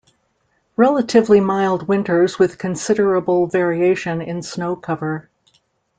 Relatively mild winters with considerable variation in snow cover.